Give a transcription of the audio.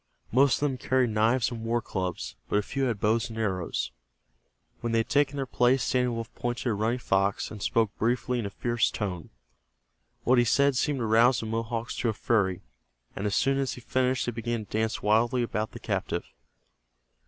Most of them carried knives and war clubs, but a few had bows and arrows. When they had taken their places Standing Wolf pointed at Running Fox, and spoke briefly in a fierce tone. What he said seemed to rouse the Mohawks to a fury, and as soon as he finished they began to dance wildly about the captive.